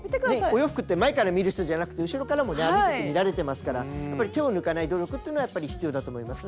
お洋服って前から見る人じゃなくて後ろからもね歩いてて見られてますからやっぱり手を抜かない努力っていうのはやっぱり必要だと思いますね。